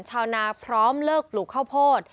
ชาวนาพร้อมเลิกปลูกข้าวโพด